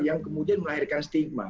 yang kemudian melahirkan stigma